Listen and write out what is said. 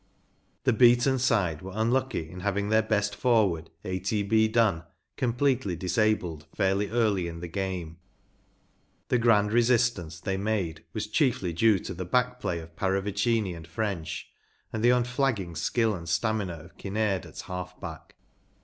The beaten side were unlucky in having their best for¬ ward, A, T, B. Dunn, completely disabled fairly early in the game ; the grand resistance they made was chiefly due to the back play of Paravicmi and French, and the unflagging skill and stamina of Kinnaird at half back.